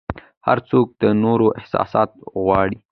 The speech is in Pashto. هر څوک د نورو احتساب غواړي